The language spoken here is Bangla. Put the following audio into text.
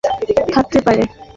সে কারণে সে খুন হয়ে থাকতে পারে।